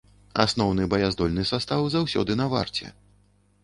Асноўны баяздольны састаў заўсёды на варце.